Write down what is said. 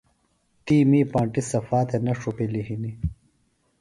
تی می پانٹیۡ صفا تھےۡ نہ ڇھوپِلیۡ ہِنیۡ۔